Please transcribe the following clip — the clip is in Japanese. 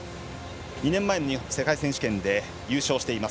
２年前の世界選手権で優勝しています。